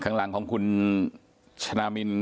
ข้างหลังของคุณชนะมิน